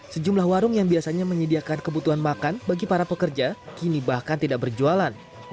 sejumlah warung yang biasanya menyediakan kebutuhan makan bagi para pekerja kini bahkan tidak berjualan